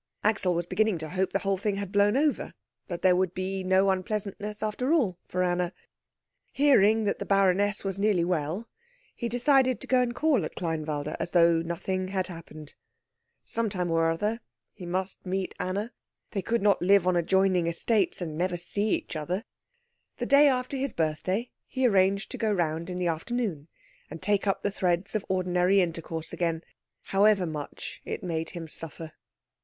Axel was beginning to hope that the whole thing had blown over, that there was to be no unpleasantness after all for Anna. Hearing that the baroness was nearly well, he decided to go and call at Kleinwalde as though nothing had happened. Some time or other he must meet Anna. They could not live on adjoining estates and never see each other. The day after his birthday he arranged to go round in the afternoon and take up the threads of ordinary intercourse again, however much it made him suffer.